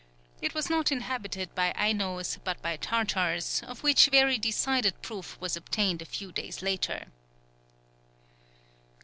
It was not inhabited by Ainos, but by Tartars, of which very decided proof was obtained a few days later.